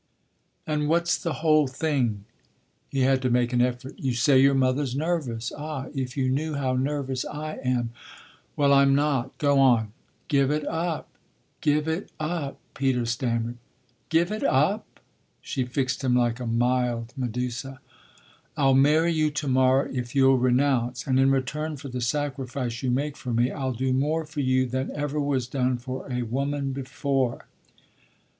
"And what's the whole thing?" He had to make an effort. "You say your mother's nervous. Ah if you knew how nervous I am!" "Well, I'm not. Go on." "Give it up give it up!" Peter stammered. "Give it up?" She fixed him like a mild Medusa. "I'll marry you to morrow if you'll renounce; and in return for the sacrifice you make for me I'll do more for you than ever was done for a woman before."